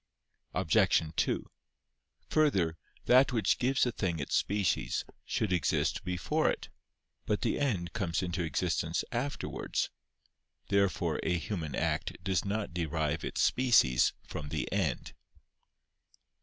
Obj. 2: Further, that which gives a thing its species should exist before it. But the end comes into existence afterwards. Therefore a human act does not derive its species from the end.